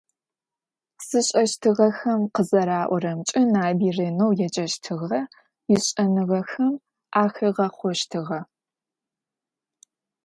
Зышӏэщтыгъэхэм къызэраӏорэмкӏэ Налбый ренэу еджэщтыгъэ, ишӏэныгъэхэм ахигъахъощтыгъэ.